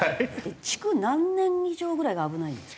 築何年以上ぐらいが危ないんですか？